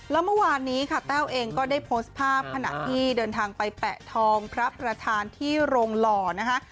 แล้วเมื่อวานนี้ค่ะแต้วเองก็ได้โพสต์ภาพขณะที่เดินทางไปแปะทองพระประธานที่โรงหล่อนะคะ